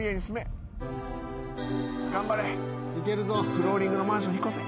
フローリングのマンション引っ越せ。